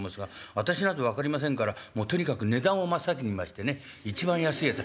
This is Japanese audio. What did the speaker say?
私なんぞ分かりませんからもうとにかく値段を真っ先に見ましてね一番安いやつ。